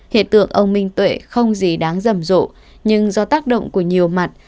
hiện tượng ông minh tuệ không gì đáng rầm rộ nhưng do tác động của nhiều mặt